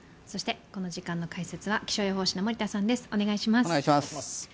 そして、この時間の解説は気象予報士の森田さんです。